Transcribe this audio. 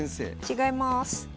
違います。